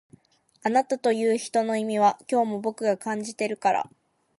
あなたという人の意味は今日も僕が感じてるから